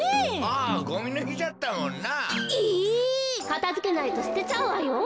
かたづけないとすてちゃうわよ。